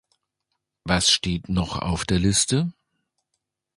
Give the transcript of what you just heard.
Was steht noch auf der Liste?